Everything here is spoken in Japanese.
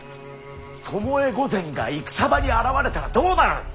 巴御前が戦場に現れたらどうなる。